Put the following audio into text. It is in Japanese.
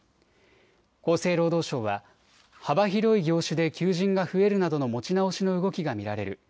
厚生労働省は幅広い業種で求人が増えるなどの持ち直しの動きが見られる。